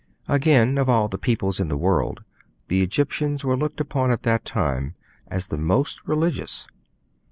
Again, of all the peoples in the world the Egyptians were looked upon at that time as the most religious.